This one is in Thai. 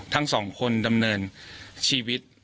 ทั้งสองคนดำเนินชีวิต